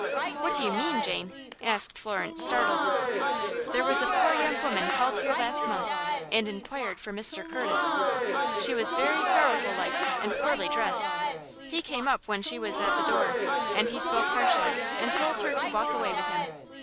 "What do you mean, Jane?" asked Florence, startled. "There was a poor young woman called here last month and inquired for Mr. Curtis. She was very sorrowful like, and poorly dressed. He came up when she was at the door, and he spoke harshlike, and told her to walk away with him.